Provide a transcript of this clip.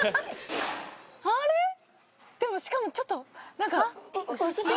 でもしかもちょっと。